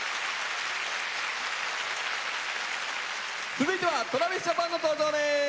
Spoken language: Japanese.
続いてはＴｒａｖｉｓＪａｐａｎの登場です！